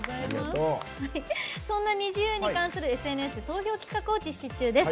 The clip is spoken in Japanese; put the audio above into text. そんなＮｉｚｉＵに関するＳＮＳ投票企画を実施中です。